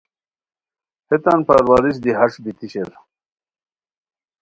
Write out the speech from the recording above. ہیتان پرورش دی ہݰ بیتی شیر